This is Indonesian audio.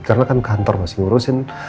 karena kan kantor masih ngurusin